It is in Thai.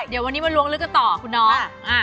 เดี๋ยววันนี้มาล้วงลึกกันต่อคุณน้อง